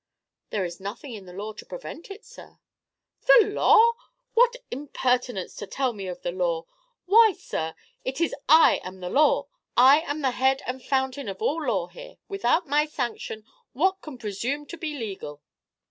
"There is nothing in the law to prevent it, sir." "The law! What impertinence to tell me of the law I Why, sir, it is I am the law, I am the head and fountain of all law here; without my sanction, what can presume to be legal?"